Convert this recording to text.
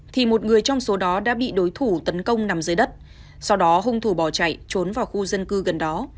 thì một người trong số đó đã bị đối thủ tấn công nằm dưới đất sau đó hung thủ bỏ chạy trốn vào khu dân cư gần đó